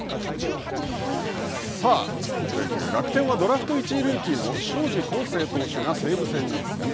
さあ楽天はドラフト１位ルーキーの荘司康誠投手が西武戦に先発。